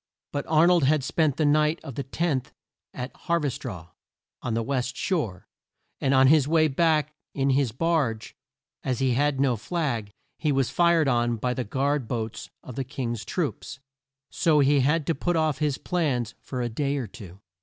But Ar nold had spent the night of the 10th at Hav er straw, on the west shore, and on his way back in his barge, as he had no flag, he was fired on by the guard boats of the King's troops. So he had to put off his plans for a day or two.